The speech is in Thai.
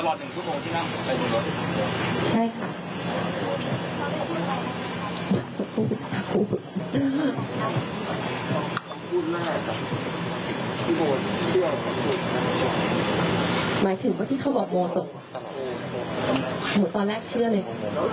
ตลอดหนึ่งชุดโมงที่นั่งหัวใจจุดนั้น